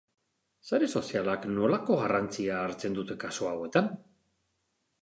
Sare sozialek nolako garrantzia hartzen dute kasu hauetan?